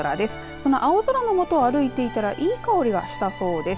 その青空の下、歩いていたらいい香りがしたそうです。